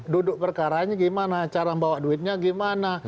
duduk perkaranya gimana cara membawa duitnya gimana